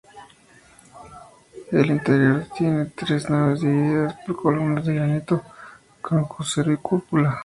El interior tiene tres naves divididas por columnas de granito, con crucero y cúpula.